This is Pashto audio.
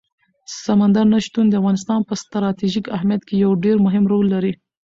سمندر نه شتون د افغانستان په ستراتیژیک اهمیت کې یو ډېر مهم رول لري.